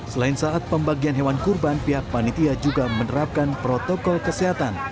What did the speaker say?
selain saat pembagian hewan kurban pihak panitia juga menerapkan protokol kesehatan